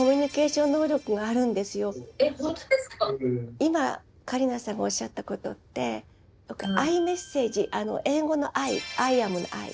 今桂里奈さんがおっしゃったことって英語の「Ｉ」アイアムの「Ｉ」。